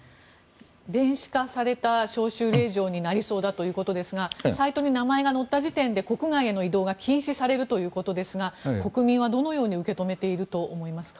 電子化された招集令状になりそうだということですがサイトに名前が載った時点で国外への移動が禁止されるということですが国民はどのように受け止めていると思いますか？